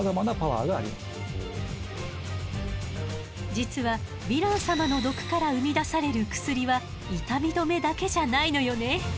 実はヴィラン様の毒から生み出される薬は痛み止めだけじゃないのよね。